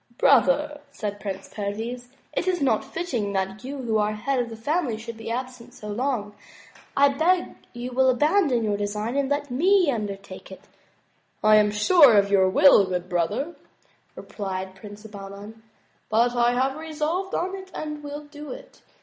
"Brother," said Prince Perviz," it is not fitting that you who are the head of the family should be absent so long. I beg you will abandon your design and let me undertake it." " I am sure of your good will, brother," replied Prince Bahman, "but I have resolved on it and will do it.